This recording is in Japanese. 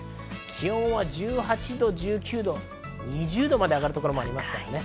気温は１８度、１９度、２０度まで上がる所もあります。